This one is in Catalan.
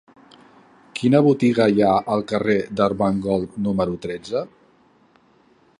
Quina botiga hi ha al carrer d'Armengol número tretze?